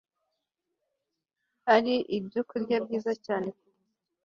ari ibyokurya byiza cyane ku buzima